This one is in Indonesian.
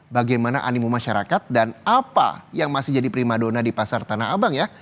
bagaimana animu masyarakat dan apa yang masih jadi prima dona di pasar tanah abang ya